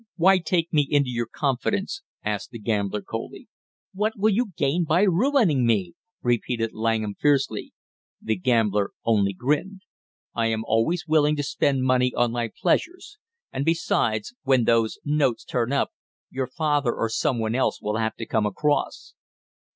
"Why take me into your confidence?" asked the gambler coldly. "What will you gain by ruining me?" repeated Langham fiercely. The gambler only grinned. "I am always willing to spend money on my pleasures; and besides when those notes turn up, your father or some one else will have to come across."